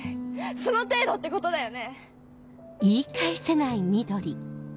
その程度ってことだよね？